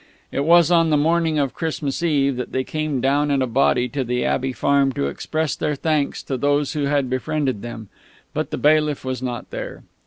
It was on the morning of Christmas Eve that they came down in a body to the Abbey Farm to express their thanks to those who had befriended them; but the bailiff was not there.